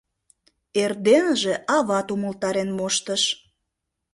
— Эрденыже ават умылтарен моштыш.